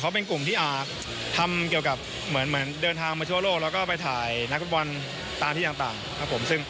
เขาเป็นกลุ่มที่ทำเดินทางมาชั่วโลกแล้วก็ไปถ่ายนักฟิตบอลตามที่ต่างครับผม